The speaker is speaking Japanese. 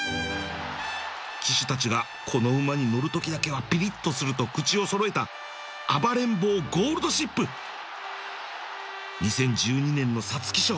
騎手たちがこの馬に乗るときだけはピリッとすると口を揃えた暴れん坊ゴールドシップ２０１２年の皐月賞